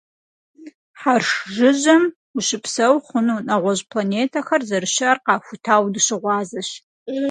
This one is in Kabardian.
Хьэрш жыжьэм ущыпсэу хъуну, нэгъуэщӀ планетэхэр зэрыщыӀэр къахутауэ дыщыгъуазэщ.